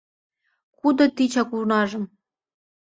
Кудо тичак унажым